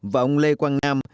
và ông lê quang nam